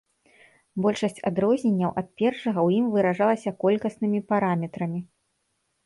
Большасць адрозненняў ад першага ў ім выражалася колькаснымі параметрамі.